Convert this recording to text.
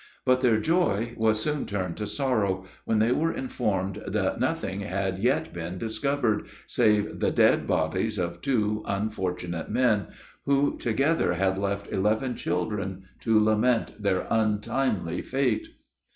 But their joy was soon turned to sorrow, when they were informed that nothing had yet been discovered, save the dead bodies of two unfortunate men, who, together had left eleven children to lament their untimely fate.